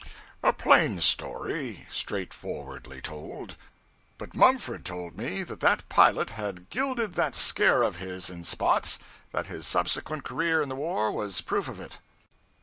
A plain story, straightforwardly told; but Mumford told me that that pilot had 'gilded that scare of his, in spots;' that his subsequent career in the war was proof of it.